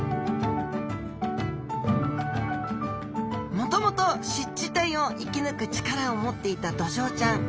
もともと湿地帯を生き抜く力を持っていたドジョウちゃん。